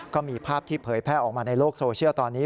ก็มีภาพที่เผยแพร่ออกมาในโลกโซเชียลตอนนี้